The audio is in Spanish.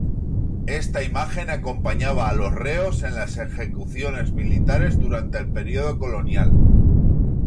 Esta imagen acompañaba a los reos en las ejecuciones civiles durante el periodo colonial.